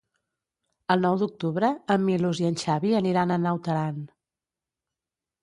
El nou d'octubre en Milos i en Xavi aniran a Naut Aran.